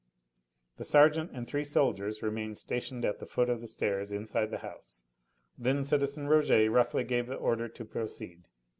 The sergeant and three soldiers remained stationed at the foot of the stairs inside the house. Then citizen Rouget roughly gave the order to proceed.